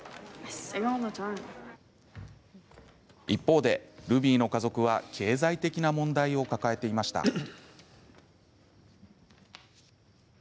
一方で、ルビーの家族は経済的な問題を抱えていました。